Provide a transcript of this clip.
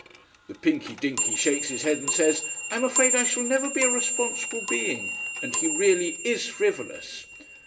"The Pinky Dinky shakes his head and says: 'I'm afraid I shall never be a responsible being.' And he really IS frivolous."